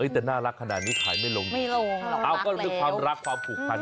แสนเว้ย